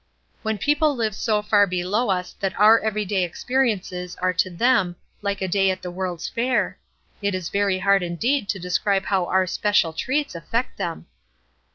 When people live so far below us that our every day experiences are to them like a day at the World's Fair, it is very hard indeed to describe how our special treats affect them.